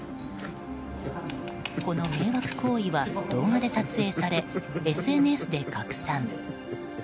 この迷惑行為は動画で撮影されＳＮＳで拡散。